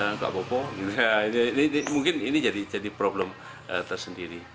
nggak apa apa mungkin ini jadi problem tersendiri